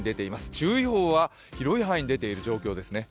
注意報は広い範囲で出ている状況ですね。